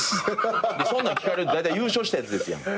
そんなん聞かれるってだいたい優勝したやつですやん。